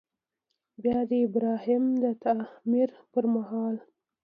بیا د ابراهیم د تعمیر پر مهال.